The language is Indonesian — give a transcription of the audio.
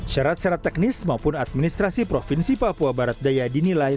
syarat syarat teknis maupun administrasi provinsi papua barat daya dinilai